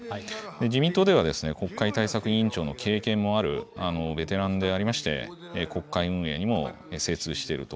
自民党では、国会対策委員長の経験もあるベテランでありまして、国会運営にも精通していると。